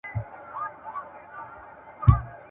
له خوشحاله بیا تر اوسه ارمانجن یو !.